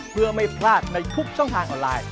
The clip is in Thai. เพื่อไม่พลาดในทุกช่องทางออนไลน์